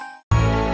kita akan convert